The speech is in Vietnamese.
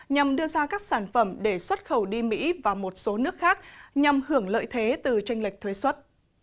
nhằm đưa ra các sản phẩm để xuất khẩu đi mỹ và một số nước khác nhằm hưởng lợi thế từ tranh lệch thuế xuất